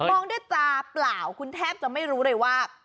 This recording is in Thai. มองด้วยตาเปล่าคุณแทบจะไม่รู้เลยว่า